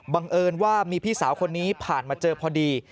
เอิญว่ามีพี่สาวคนนี้ผ่านมาเจอพอดี